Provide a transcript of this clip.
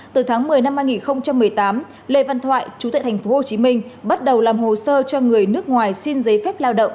từ tháng một mươi năm hai nghìn một mươi tám lê văn thoại chú tại tp hcm bắt đầu làm hồ sơ cho người nước ngoài xin giấy phép lao động